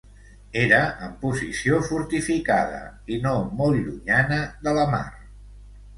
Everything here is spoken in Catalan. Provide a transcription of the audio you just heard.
Era en posició fortificada i no molt llunyana de la mar.